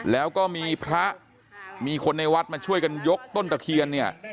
แล้วก็มีพระมีคนในวัดมาช่วยกันยกต้นตะเคียนเนี่ย